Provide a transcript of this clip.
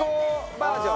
バージョン。